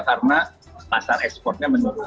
karena pasar ekspornya menurun